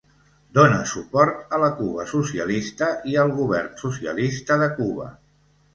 Dona suport a la Cuba socialista i al govern socialista de Cuba.